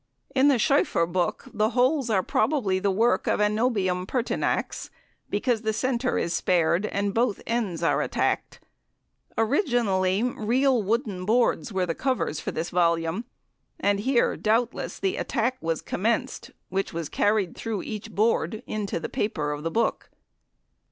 In the "Schoeffer" book the holes are probably the work of Anobium pertinax, because the centre is spared and both ends attacked. Originally, real wooden boards were the covers of the volume, and here, doubtless, the attack was commenced, which was carried through each board into the paper of the book.